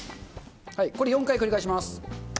これ、４回繰り返します。